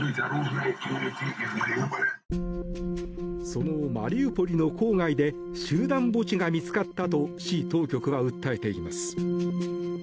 そのマリウポリの郊外で集団墓地が見つかったと市当局は訴えています。